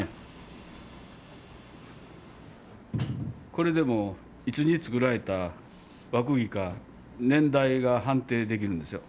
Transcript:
これでもういつにつくられた和くぎか年代が判定できるんですよ。